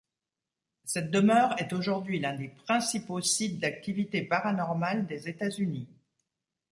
Cette demeure est aujourd'hui l'un des principaux sites d'activités paranormales des États-Unis.